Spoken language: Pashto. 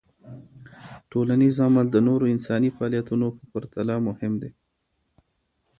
ټولنیز عمل د نورو انساني فعالیتونو په پرتله مهم دی.